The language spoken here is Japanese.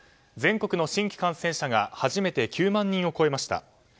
全国の新規感染者が初めて９万人を超えました。